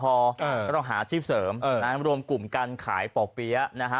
ก็ต้องหาชีวิตเสริมรวมกลุ่มกันขายป่อเปี๊ยะ